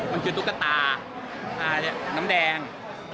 มันคือตุ๊กตาน้ำแดง